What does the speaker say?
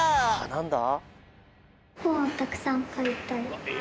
なんだ？